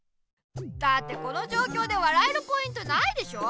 だってこのじょうきょうで笑えるポイントないでしょ！